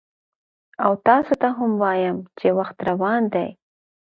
او تاسو ته هم وایم چې وخت روان دی،